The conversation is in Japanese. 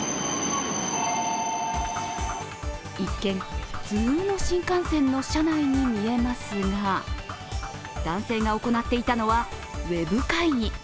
一見、普通の新幹線の車内に見えますが、男性が行っていたのはウェブ会議。